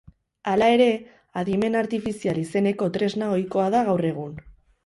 Hala ere, adimen artifizial izeneko tresna ohikoa da gaur egun.